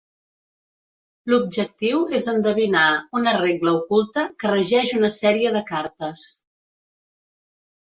L'objectiu és endevinar una regla oculta que regeix una sèrie de cartes.